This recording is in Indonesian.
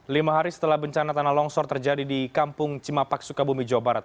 lima hari setelah bencana tanah longsor terjadi di kampung cimapak sukabumi jawa barat